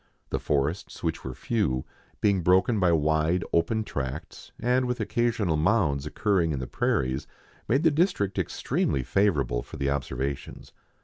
The forests, which were few, being broken by wide, open tracts, and with occasional mounds occurring in the prairies, made the district extremely favourable for the observations.